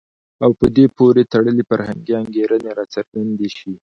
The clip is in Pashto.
او په دې پورې تړلي فرهنګي انګېرنې راڅرګندې شي.